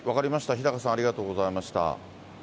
日高さん、ありがとうございました。